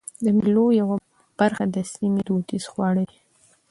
د مېلو یوه برخه د سیمي دودیز خواړه دي.